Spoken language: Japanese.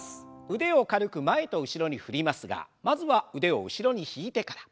腕を軽く前と後ろに振りますがまずは腕を後ろに引いてから。